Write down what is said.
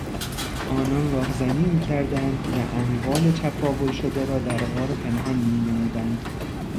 آنان راهزنی میکردند و اموال چپاول شده را در غار پنهان مینمودند.